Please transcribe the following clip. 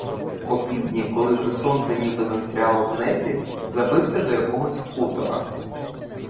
Опівдні, коли вже сонце ніби застряло в небі, забився до якогось хутора.